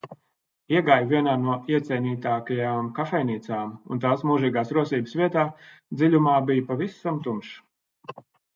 Iegāju vienā no iecienītākajām kafejnīcām un tās mūžīgās rosības vietā dziļumā bija pavisam tumšs.